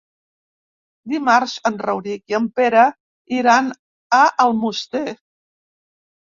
Dimarts en Rauric i en Pere iran a Almoster.